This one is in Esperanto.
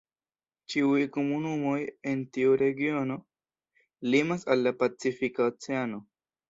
Ĉiuj komunumoj en tiu regiono limas al la pacifika oceano.